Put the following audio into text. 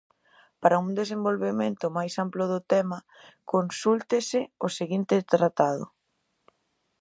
Para un desenvolvemento máis amplo do tema, consúltese o seguinte tratado: